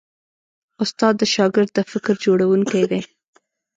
استاد د شاګرد د فکر جوړوونکی دی.